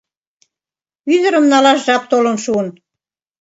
— Ӱдырым налаш жап толын шуын.